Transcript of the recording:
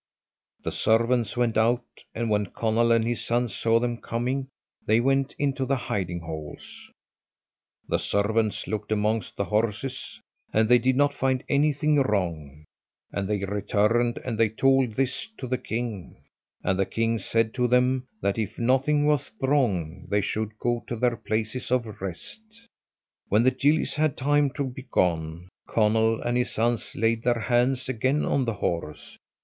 The servants went out, and when Conall and his sons saw them coming they went into the hiding holes. The servants looked amongst the horses, and they did not find anything wrong; and they returned and they told this to the king, and the king said to them that if nothing was wrong they should go to their places of rest. When the gillies had time to be gone, Conall and his sons laid their hands again on the horse.